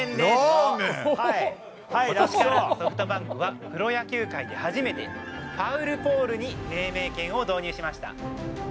ことしからソフトバンクは、プロ野球界で初めてファウルポールに命名権を導入しました。